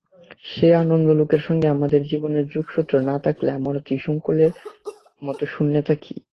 সেই আনন্দলোকের সঙ্গে আমাদের জীবনের যোগসূত্র না থাকলে আমরা ত্রিশঙ্কুর মতো শূন্যে থাকি।